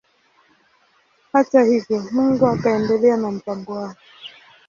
Hata hivyo Mungu akaendelea na mpango wake.